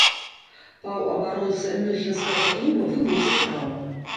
Паўабаронца мюнхенскага клуба выбыў з-за траўмы.